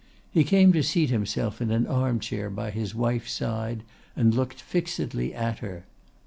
He came to seat himself in an armchair by his wife's side, and looked fixedly at her.